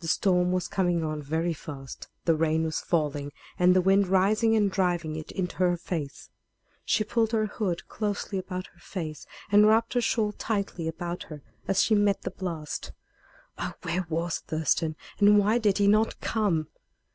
The storm was coming on very fast. The rain was falling and the wind rising and driving it into her face. She pulled her hood closely about her face, and wrapped her shawl tightly about her as she met the blast. Oh! where was Thurston, and why did he not come?